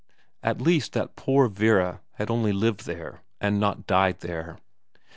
At least that poor Vera had only lived there, and not died there.